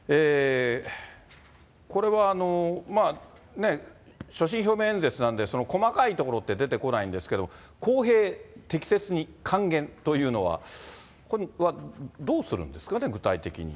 これは、所信表明演説なんで、細かいところって出てこないんですけど、公平・適切に還元というのは、これはどうするんですかね、具体的に。